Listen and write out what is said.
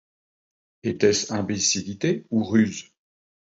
Etait-ce imbécillité ou ruse?